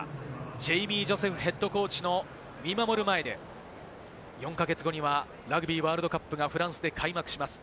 ジェイミー・ジョセフＨＣの見守る前で４か月後にはラグビーワールドカップがフランスで開幕します。